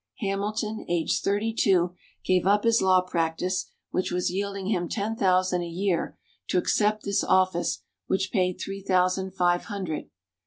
Hamilton, aged thirty two, gave up his law practise, which was yielding him ten thousand a year, to accept this office which paid three thousand five hundred.